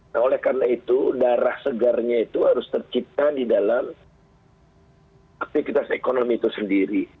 nah oleh karena itu darah segarnya itu harus tercipta di dalam aktivitas ekonomi itu sendiri